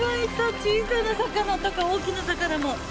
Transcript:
小さな魚とか大きな魚も。